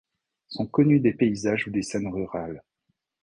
Sont connus des paysages ou des scènes rurales.